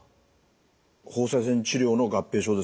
放射線治療の合併症ですね。